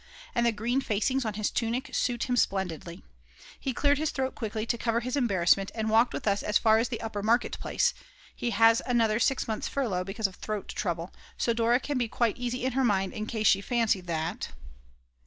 And the green facings on his tunic suit him splendidly. He cleared his throat quickly to cover his embarrassment, and walked with us as far as the Upper Market place; he has another six months furlough because of throat trouble; so Dora can be quite easy in her mind in case she fancied that